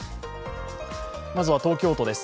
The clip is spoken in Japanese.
まずは東京都です。